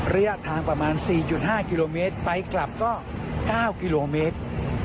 ระยะทางประมาณ๔๕กิโลเมตรไปกลับก็๙กิโลเมตร